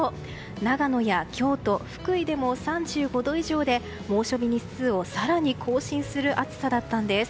長野や京都、福井でも３５度以上で、猛暑日日数を更に更新する暑さだったんです。